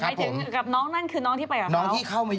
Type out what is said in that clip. ถึงกับน้องนั่นคือน้องที่ไปกับเขา